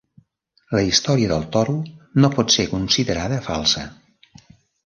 La història del toro no pot ser considerada falsa.